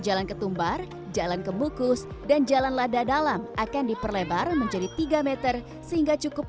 jalan ketumbar jalan kemukus dan jalan lada dalam akan diperlebar menjadi tiga meter sehingga cukup